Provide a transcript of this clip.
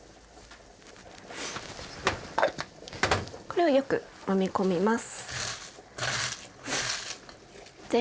これをよくもみ込みます。